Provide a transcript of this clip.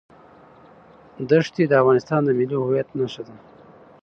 ښتې د افغانستان د ملي هویت نښه ده.